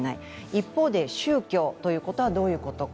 一方で、宗教ということはどういうことか。